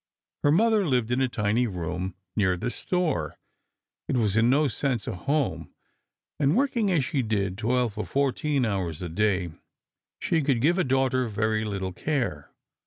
Her mother lived in a tiny room, near the store. It was in no sense a home, and working as she did, twelve or fourteen hours a day, she could give a daughter very little care.